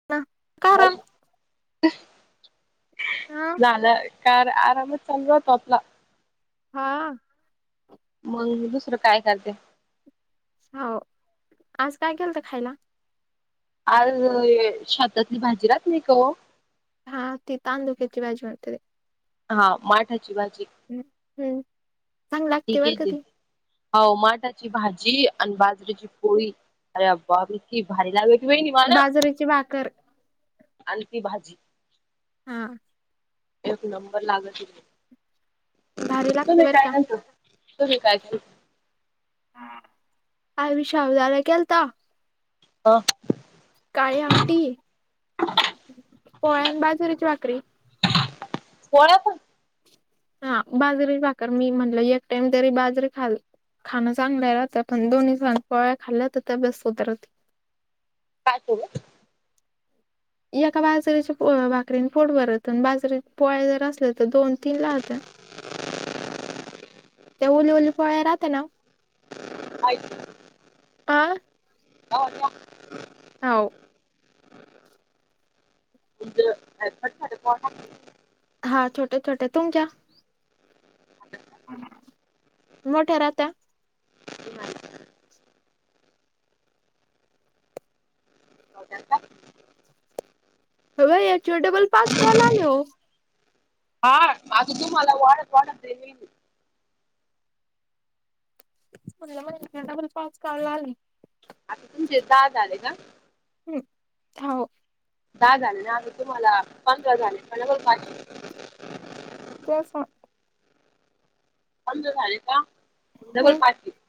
[unintelligible] बोला ह झाला कार आरामच चालू रातो आपला हा मंग दुसरं काय करते. हो, आज काय केलतं खायला? आज ए शतातली भाजी राहत नाय का ओ हा ती तांदूक्याची भाजी म्हत्याते. हा माठा ची भाजी हम् हूं ती केलती. हो माटाची भाजी आणि बाजरीची पोळी आया बाबी ती भारी लागती वईणी मला आणि ती भाजी हा एक नंबर लागती तुम्ही काय केलता तुम्ही काय केलंता आम्ही शाबुदाणा केलता अ काळी आमटी पोळ्या नं बाजुरीेची भाकरी. पोळ्यापण हा बाजरी भाकर मी म्हणल एक टाइम तरी बाजरी खावी. खाणं चांगलं होत पण दोन्ही साज पोळ्या खाल्ल्या त तब्बेत सुधरती. काय करू एका बाजारीेच्या अ भाकरीने पोट भरत अन बाजारी पोळया जर असल्या तर दोन तीन लागत्या. ते उली उली पोळया राहत ना ओ [unintelligible] आ काय म्हटल्या हाव. तुम [unintelligible] हा छोट्या छोट्या तुमच्या मोठ्या राहता करतात. अगं याच्याव डबल पाच कॉल आलं. आसं तुम्हाला वाढत वाढत देईन मी. कोणाला माहित नाय डबल पाच कॉल आले. तुमचे दहा झाले ना? हम्म, हाओ. दहा झाले ना, आता तुम्हाला पंधरा झाले [unintelligible] चेसा पंधरा झाले का? मग डबल पाच येईल.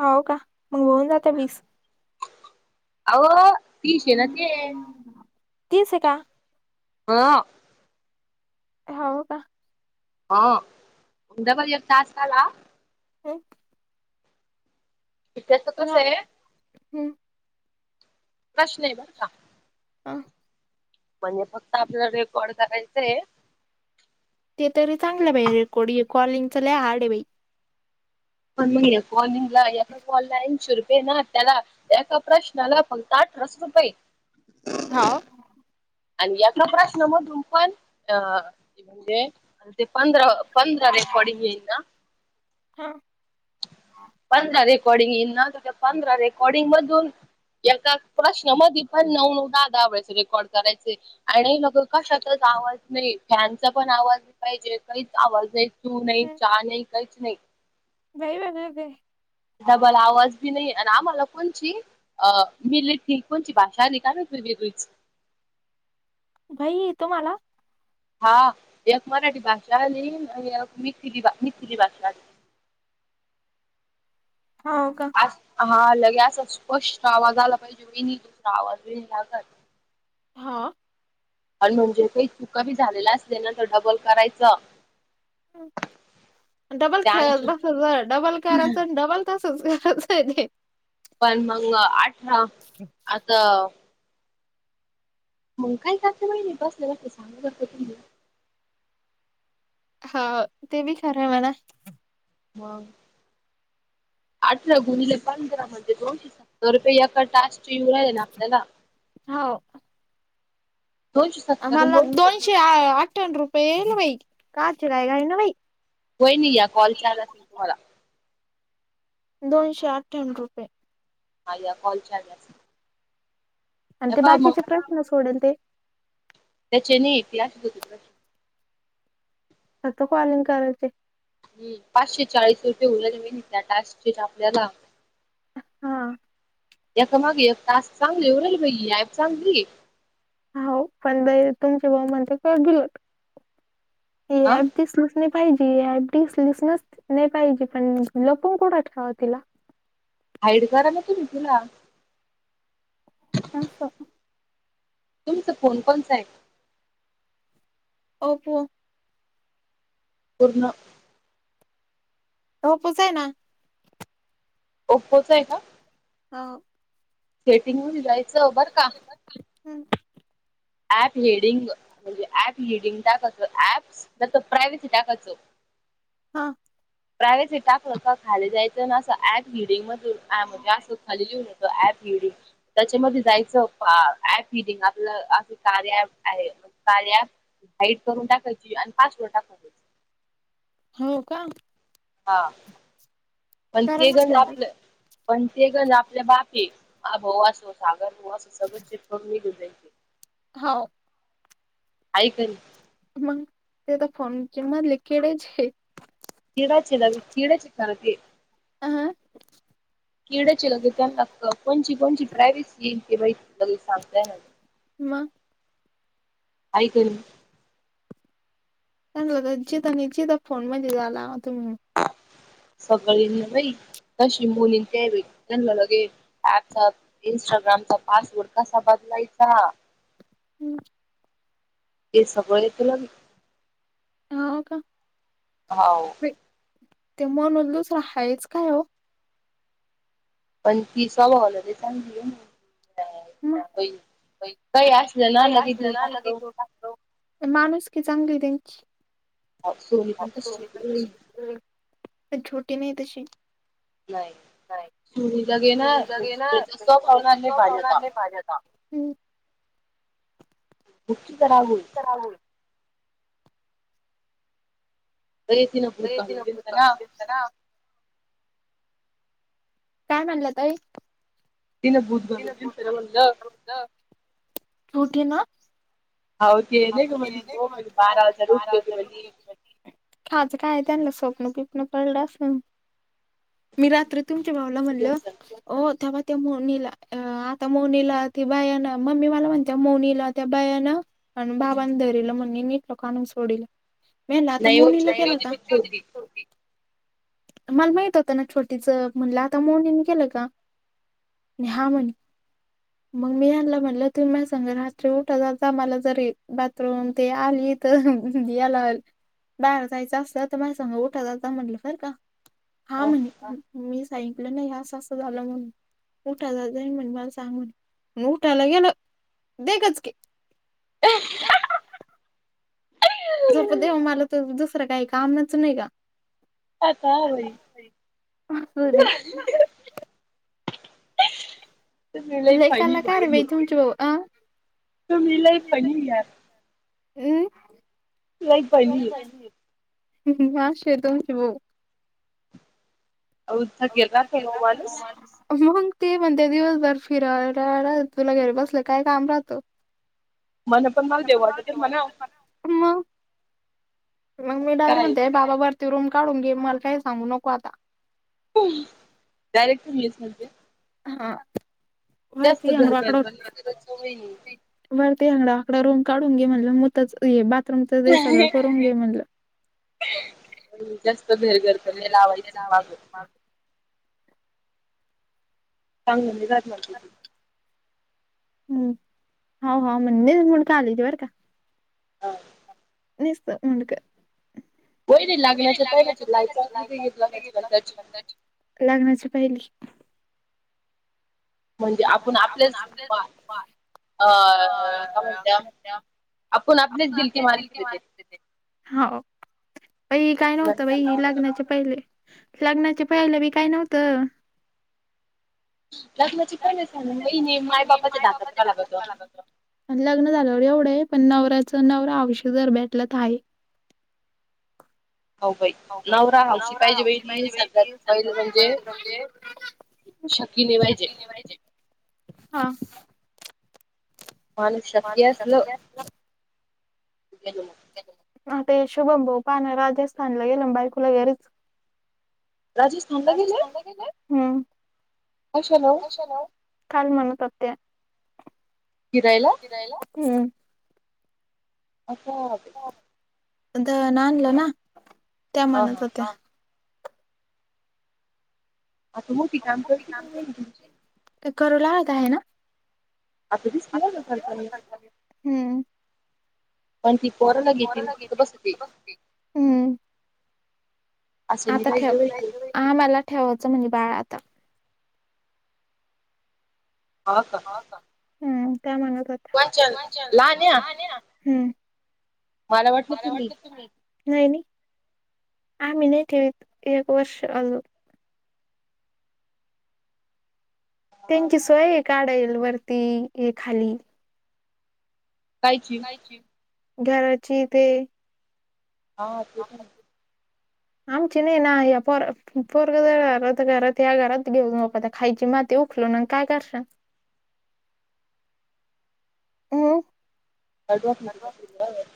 हो का? मग होऊन जातं वीस. आओ तीश ए ना ते. तीस ए का? हो. हो का? हा, मग डबल एक टास्क आला. हम्म. ते त्याचं कसंय हम्म प्रश्न आहे बरं का. [unintelligible] म्हणजे फक्त आपल्याला रेकॉर्ड करायचंय. ते तरी चांगलं बाई रेकॉर्ड, हे कॉलिंगचं लय हार्ड आहे बाई. पण मग हे कॉलिंगला एका कॉल ला ऐंशी रुपये आहे ना, त्याला एका प्रश्नाला फक्त अठराच रुपये. हाव? आणि एका प्रश्नामधून पण अ म्हणजे ते पंधरा पंधरा रेकॉर्डिंग येईल ना हा पंधरा रेकॉर्ड येईल ना, तर त्या पंधरा रेकॉर्डिंग मधून एका प्रश्नामध्ये पण नऊ नऊ दहा दहा वेळेस रेकॉर्ड करायचंय. आणि अगं कशाचाच आवाज नाही, फॅनचा पण आवाज पाहिजे, काहीच आवाज नाही तु नाही चा नाही काहीच नाही. Bye bye bye bye. बाबाला आवाज बी नाही, अन आम्हाला कोणची अ मिलीची, कोणची भाषा आली काय माहित वेगवेगळीच? बाई तुम्हाला? हा, एक मराठी भाषा आली आणि एक मिथिली बा -मिथिली भाषा आली. हो का? हा, लगे असं स्पष्ट आवाज झाला पाहिजे बघ, [unintelligible] दुसरा आवाज [unintelligible] हा आन म्हणजे काही चुका बी झालेल्या असल्या ना तर डबल करायचं. डबल खेळत बसा, डबल करायचं अन डबल तसंच करायचंय ते. पण मग अ अठरा [unintelligible] आता मग काय करता वहिनी बसल्या बसल्या सांगा बर का तुम्ही हा ते बी खरं आहे मणा हो. अठरा गुणीले पंधरा म्हणजे दोनशे सत्तर रुपये एका टाक चे तीन वेळा आहे ना आपल्याला आम्हाला दोनशे अठ्ठानव रुपये येल हे बाई कहाचे काय न बाई. वहिनी या कॉल चालल तुम्हाला दोनशे अठ्ठ्याण रुपये. ह या कॉल असल. आणि ते बाकीचे प्रश्न सोडेल ते त्याच्याने ते असते दुसरे प्रश्न आता कॉलिंग करायचे. हम पाचशे चाळीस रुपये उल महिनित त्या टास्क चे आपल्याला हा. एका मागे एक तास चांगले उरल बईफ चांगली हो पण तुमचे भाऊ म्हणजे कर डिलीट हे ॲप तीस लिस नाही पाहिजे तीस लिसनच नाही पाहिजे पण लपून कोठं ठेवा तिला हाड करा ना तुम् तुला अस. तुमचं फोन कोण चा आहे. ओप्पो. पूर्ण ओपी चाआहे ना. ओप्पोच आहे का. ह हम्. ऍप हेिडिंग म्हणजे ऍप हिडिंग टाकाचो ऍप प्रायव्हसी टाकाचो हा. प्रायवे टाकलं का खाली जायचं ना असं ऍप हिडिंग मधून म्हणजे असं खाली लिहून येतो ऍप हिडिंग त्याच्यामध्ये जायचं ऍप रिडिंग आपल्याला अस कार्य प आहे कार्य अँप. हाट करून टाकायची आणि पाच वो टाकायची. हो का. हा पण ते गण आपलं पण ते गच आपल्या बापी भाऊ असो सागर सगचे गुे हो. ऐक मग ते तर फोन किंवा लिकेडच आहे. किडा च कीडा चार ते हं. किडाचे लगे त्यांना कोणची कोणची प्रायव्सी येई ते बा लग सांगतायना. मग ऐक चांगलं जिता जिता फोन मध्ये झाला. तुम्ही सगळ्याला घेऊन बाई तशी मुलीं ते बई त्यांला लगे ऍपचा इंस्टाग्रामचा पासवर्ड कसा बदलायचा? हम्म. ते सगळे येतील अन् हो का? हाव ते म्हणून दूसर हायच काय हो? पण तीसाव होला ते चांगली आहे. [unintelligible] काय असलं ना लगे देऊ द्या. मणुसकी चांगलीय त्यांची. [unintelligible] छोटी नाही तशी. नाही सूरीला घेण. नाहीतर स्वभाव नाही भाजीचा. हम्म. [unintelligible] [unintelligible] ते तीन भुत घालून दीलतं ना? तना काय म्हणला ताई. तीन भुत [unintelligible] फुटी न हाव केलय ग माझी [unintelligible] मणी काचं काय त्यांलं स्वप्न बिपणं पडलं असंल मी रात्री तुमच्या भाऊला म्हणल ओ थांबा त्या मौनीला अ आता मौनीला ती बायाना मम्मी मला म्हणते मौनीला त्या बाया न आणि बाबांनी धरलं म्हण मटलं कानून सोडला मी म्हल आता मोनीला गेल का? मला माहित होत ना छोटीच म्हणलं आता मोनीन केलं का? मी हा म्हण मग मी यांला म्हणलं तुम माझ संग रात्री उठता जा मला तरी बाथरूम ते आली इथ याला ल बाहेर जायचं असलं तर माझ्या सग उठा जाता म्हणलं बर का? हा म्हणे. हम्. मी सांगितल नाई हे असं असं झालं म्हणून. उठायला जाईन म्हण मला सांगून. म उठायला गेलो दे गचके [unintelligible] झोप देव माला तर दुसरं काही कामच नाही का. असुदे. लय कलाकार है बाई तुमचे भाऊ आ [unintelligible] अम् [unintelligible] अशेय तुमचे भऊ [unintelligible] हम ते म्हणत्यात दिवसभर फिरायला काय तुला घरी बसल्या काय काम राहत. [unintelligible] म मग मी डार म्हणते बाबा वरती रूम काढून घे मला काहीच सांगू नको आता. डयरेक्ट रिलीज म्हणतीस हा. जास्त घर घर बली कराच वैनी वरते हे लाकडा रूम काढून घे म्हणलं मुताचं हे बाथ् रूमचं ते सगळं करून घे म्हणलं. पण जास्त घे धर पण नाय लावायचं मागं. चांगल्यावानी [unintelligible] ती हम्म, हा हा पण लयच मुंडकं हलवती बरं का. ह. निस्तं‌ मुंडकं. होय रे लग्नाच्या पहिलाच्या लाईफ चांगली होती की लग्नाच्या नंतरची? लग्नाची पहिली. म्हणजे आपण आपल्याच पा अ काय म्हणत्या, आपण आपलीच दिलके मालकीण हाय ते. हो, बाई काय नव्हतं बाई लग्नाचे पहिले. लग्नाचे पहिले बी काय नव्हतं. लग्नाची पण मी सांगू वहिने माय बापाच्या धाकात राहावं लागतं. पण लग्न झाल्यावर एवढं आहे, पण नवऱ्याचं नवरा हावशी जर भेटला तर हाय. हो बाई, नवरा हावशी पाहिजे बाई [unintelligible] शकीले पाहिजे. हा. माणूस शक्की असलं, की गेलं मग. आता हे शुभम भाऊ पाहा ना, राजस्थानला गेलं अन बायकोला घरीच. राजस्थानला गेले, हम्म. कशामुळं? कशामुळं? काल म्हणत होते. फिरायला. फिरायला? हम्म. आता बाई. दळण आणलं ना, त्या म्हणत होत्या. आता मोठी काम करती का वहिनी तुमची? ते करू लागत आहे ना? हम्म. पण ती पोराला घेती अन फक्त बसती. हम्म, आता ठेव. आम्हाला ठेवायचं म्हणे बाळ आता. हा का? हा का? हम्म, का म्हणत होत वाचन लहान्या हम्म, मला वाटलं तुम्ही नाही नाही, आम्ही नाय ठेवीत एक वर्ष अजून. त्यांची सोय ए काढेल वरती ए खाली. कायची ची घराची ते हा ते पण ए. आमची नाही ना, या पोरा पोरग घरात या घरात घेऊन न आता खायची माती उ लो नाय अन काय करता. [unintelligible]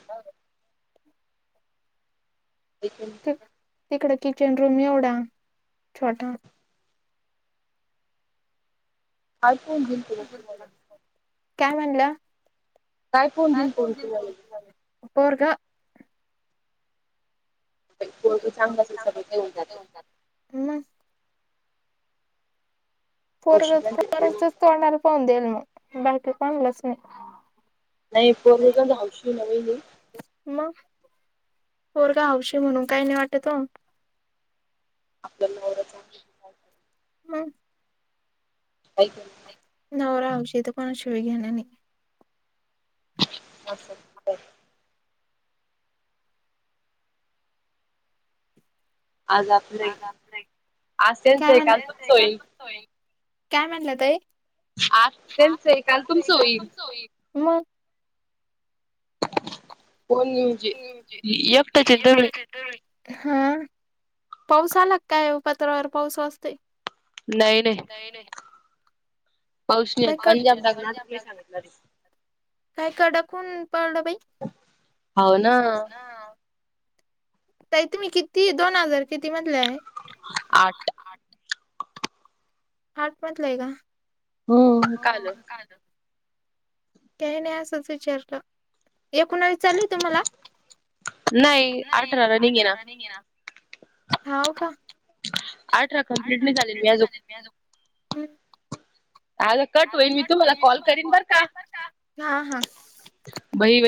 एकूण तिक तिकडे किचन रूम एवढा छोटा. ऐकून काय म्हणला? काय फोन दिलतं गं‌‌ तु मला बर ग ना पोरगं पोराचच तोंडाला पाहून देईल मग, बाकी कोणालाच नाही. नाही पोरगं जर हौशी मिळून जाईल. मग, पोरगं हावशी हाय म्हणून काय नाही वाटत ओ. आपल्याला नवरा चांगला [unintelligible] मग. काय त्याला नवरा हौशी तर कोणा शिवाय घेणं नाही. अस आज आपलंय, आज त्यांचं आहे काल तुमचं होईल. काय म्हणल्या ताई? आज त्यांचं आहे काल तुमचं होईल. मग. कोन [unintelligible] एकटाच [unintelligible] [unintelligible] हा, पाऊस आला का काय ओ पात्रावर पाऊस वाजतंय? नाही नाही. नाही नाही. पाऊस नाय येत, [unintelligible] नाय सांगितलं अजून. काय कडक ऊन पडलं बाई, हावं ना. ताई तुम्ही किती, दोन हजार किती मधल्या हाय? आठ. आठ मधल्या हाय का? हो, का गं? काही नाही असंच विचारलं, एकूण चालूय तुम्हाला? नाही, अठरा रनिंग आहे ना. हो का? अठरा कंप्लीट नाही झाले अजून. आता कट होईल, मी तुम्हाला कॉल करीन बर का, हा हा. बाई बाई